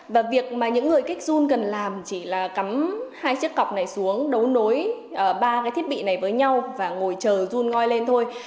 và việc mà những người kích run cần làm chỉ là cắm hai chiếc cọc này xuống đấu nối ba cái thiết bị này với nhau và ngồi chờ run ngoi lên thôi